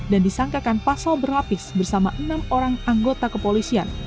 dan disangkakan pasal berlapis bersama enam orang anggota kepolisian